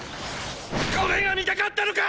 ⁉これが見たかったのか！！